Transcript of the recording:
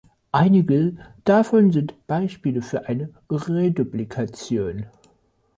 Einige davon sind Beispiele für eine Reduplikation.